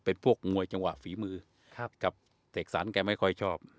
เป็นพวกมวยจังหวะฝีมือกับเสกสรรแกไม่ค่อยชอบ